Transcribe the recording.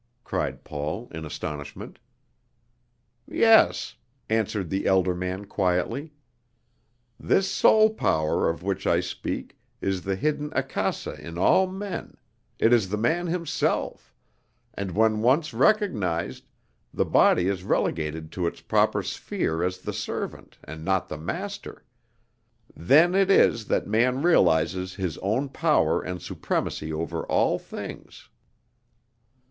cried Paul in astonishment. "Yes," answered the elder man quietly. "This soul power, of which I speak, is the hidden akasa in all men it is the man himself and when once recognized, the body is relegated to its proper sphere as the servant, and not the master; then it is that man realizes his own power and supremacy over all things."